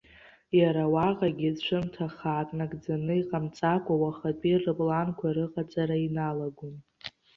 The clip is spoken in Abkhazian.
Иара уаҟагьы, цәымҭа-хаак нагӡаны иҟамҵакәа, уахатәи рыпланқәа рыҟаҵара иналагон.